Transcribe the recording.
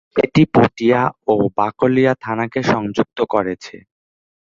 এটি পটিয়া ও বাকলিয়া থানাকে সংযুক্ত করেছে।